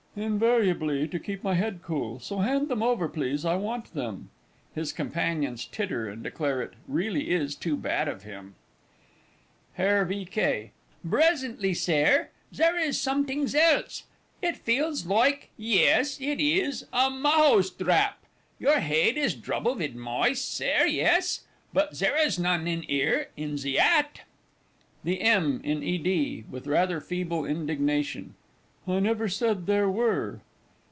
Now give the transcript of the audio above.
Invariably to keep my head cool; so hand them over, please; I want them. [His Companions titter, and declare "it really is too bad of him!" HERR V. K. Bresently, Sare, zere is somtings ailse, it feels loike yes, it ees a mahouse drap. Your haid is drouble vid moice, Sare, yes? Bot zere is none 'ere in ze 'at! THE M. IN E. D. (with rather feeble indignation). I never said there were.